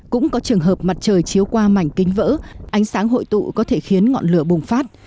cũng có trường hợp mặt trời chiếu qua mảnh kính vỡ ánh sáng hội tụ có thể khiến ngọn lửa bùng phát